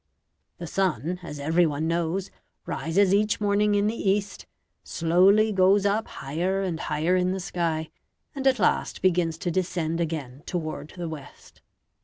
The sun, as everyone knows, rises each morning in the east, slowly goes up higher and higher in the sky, and at last begins to descend again toward the west.